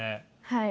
はい。